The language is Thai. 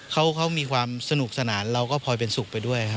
เขามีความสนุกสนานเราก็พลอยเป็นสุขไปด้วยครับ